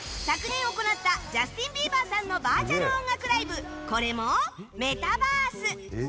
昨年行ったジャスティン・ビーバーさんのバーチャル音楽ライブこれもメタバース。